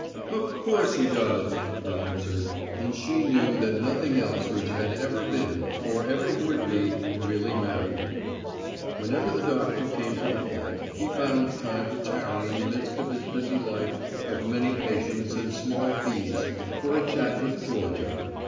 "Of course he does," he answered, and she knew that nothing else which had ever been or ever would be really mattered. Whenever the doctor came to the flat he found time to tarry in the midst of his busy life of many patients and small fees for a chat with Georgia.